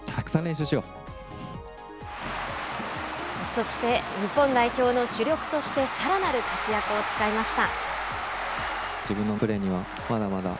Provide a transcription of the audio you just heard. そして日本代表の主力としてさらなる活躍を誓いました。